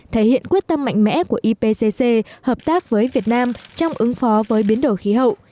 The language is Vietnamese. thể hiện quyết tâm mạnh mẽ của ipc hợp tác với việt nam trong ứng phó với biến đổi khí hậu